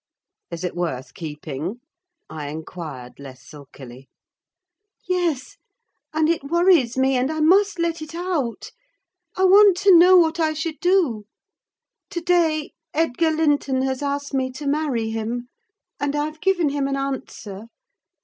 "Is it worth keeping?" I inquired, less sulkily. "Yes, and it worries me, and I must let it out! I want to know what I should do. To day, Edgar Linton has asked me to marry him, and I've given him an answer.